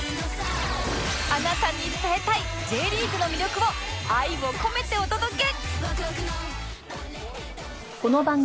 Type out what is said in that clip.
あなたに伝えたい Ｊ リーグの魅力を愛を込めてお届け！